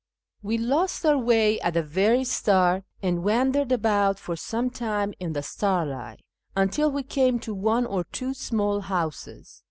We lost onr way at llie very start, and wandered about for some time in the starlight, until we came to one or two small houses.